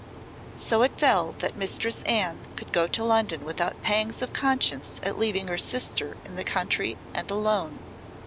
So it fell that Mistress Anne could go to London without pangs of conscience at leaving her sister in the country and alone.